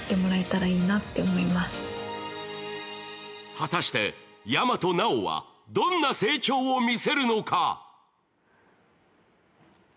果たして大和奈央はどんな成長を見せるのか。